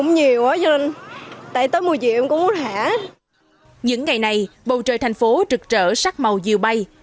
những ngày này bầu trời thành phố trực trở sắc màu diều bay